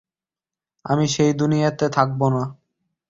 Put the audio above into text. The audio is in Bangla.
আমি সেই দুনিয়াতে থাকব না।